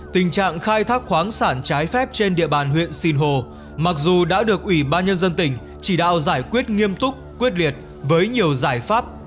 tình trạng khai thác khoáng sản trái phép trên địa bàn huyện sinh hồ mặc dù đã được ủy ban nhân dân tỉnh chỉ đạo giải quyết nghiêm túc quyết liệt với nhiều giải pháp